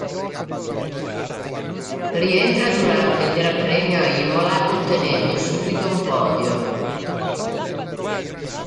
Rientra durante il gran premio a Imola, ottenendo subito un podio.